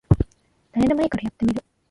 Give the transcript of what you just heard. ダメでもいいからやってみる